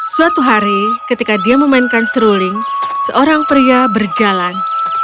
suatu hari ketika dia memainkan seruling seorang pria berjalan